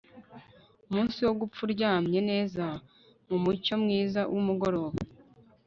Umunsi wo gupfa uryamye neza mumucyo mwiza wumugoroba